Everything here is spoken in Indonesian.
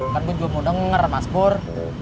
kan gue juga mau denger mas bor